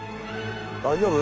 大丈夫？